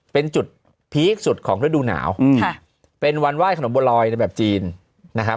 เป็นจุดพีคสุดของเวลาดูหนาวเป็นวันไหว้ขนมโบรอยแบบจีนนะครับ